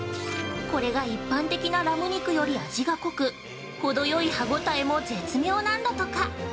これが一般的なラム肉より味が濃く、程よい歯ごたえも絶妙なんだとか。